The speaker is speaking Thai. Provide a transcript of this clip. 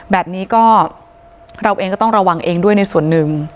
แบบนี้ก็เราเองก็ต้องระวังเองด้วยในส่วนหนึ่ง